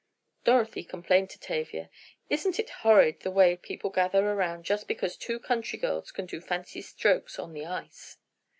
Dorothy complained to Tavia: "Isn't it horrid the way people gather around just because two country girls can do a few fancy strokes on the ice!"